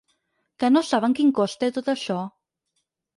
Que no saben quin cost té tot això?